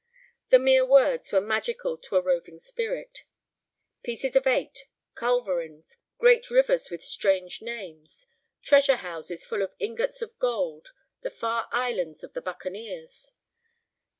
The mere words were magical to a roving spirit. Pieces of eight, culverins, great rivers with strange names, treasure houses full of ingots of gold, the far islands of the buccaneers.